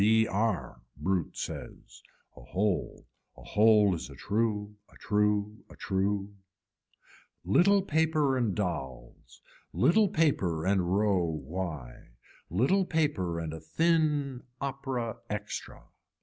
B r, brute says. A hole, a hole is a true, a true, a true. Little paper and dolls, little paper and row why, little paper and a thin opera extra.